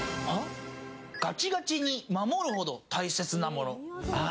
ガチガチに守るほど大切なもの。